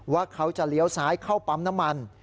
ว่าเขาจะเลี้ยวซ้ายเข้าปั๊มน้ำมัน